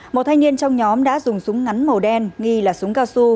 một thanh niên trong nhóm đã dùng súng ngắn màu đen nghi là súng cao su